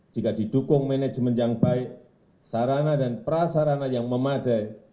jika didukung manajemen yang baik sarana dan prasarana yang memadai